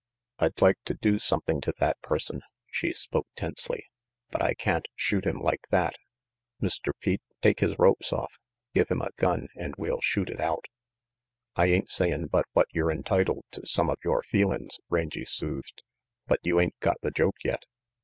"I'd like to do something to that person," she spoke tensely, "but I can't shoot him like that. Mr. Pete, take his ropes off. Give him a gun, and we'll shoot it out." "I ain't sayin' but what yer entitled to some of yore feelin's," Rangy soothed, "but you ain't got the joke yet.